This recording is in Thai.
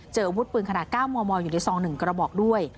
อาวุธปืนขนาด๙มมอยู่ในซอง๑กระบอกด้วย